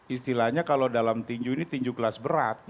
istilahnya kalau dalam tinju ini tinju kelas berat